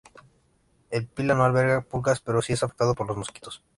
El Pila no alberga pulgas pero sí es afectado por los mosquitos.